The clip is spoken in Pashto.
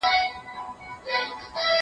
هغه وويل چي پاکوالی مهم دی!؟